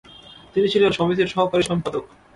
তিনি ছিলেন সমিতির সহকারী সম্পাদক।